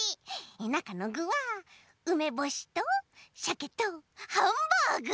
なかのぐはうめぼしとシャケとハンバーグ。